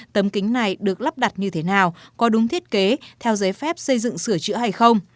tấm kính này được lắp đặt như thế nào có đúng thiết kế theo giấy phép xây dựng sửa chữa hay không